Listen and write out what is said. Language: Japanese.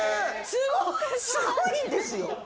すごいんですよ